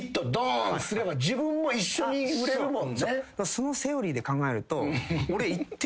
そのセオリーで考えると。